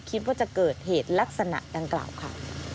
คิดว่าจะเกิดเหตุลักษณะดังกล่าวค่ะ